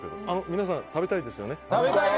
皆さん食べたいですよね？